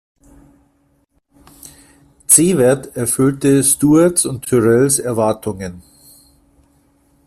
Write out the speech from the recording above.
Cevert erfüllte Stewarts und Tyrrells Erwartungen.